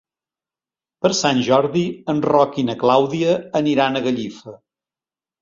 Per Sant Jordi en Roc i na Clàudia aniran a Gallifa.